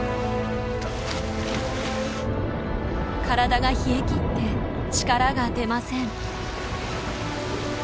体が冷え切って力が出ません。